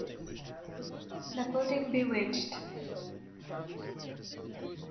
] THE PUDDING BEWITCHED.